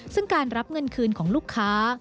ซึ่งการรับเงินคืนของลูกค้า